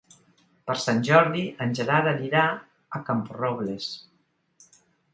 Per Sant Jordi en Gerard anirà a Camporrobles.